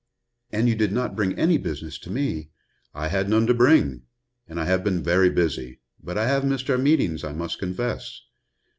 And you do not bring any business to me " "I had none to bring, and I have been very busy. But I have missed our meetings, I must confess."